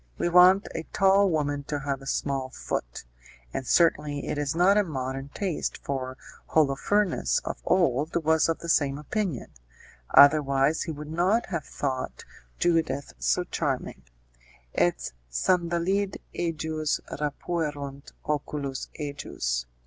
We want a tall women to have a small foot, and certainly it is not a modern taste, for Holofernes of old was of the same opinion; otherwise he would not have thought Judith so charming: 'et sandalid ejus rapuerunt oculos ejus'.